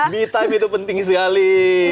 me time itu penting sekali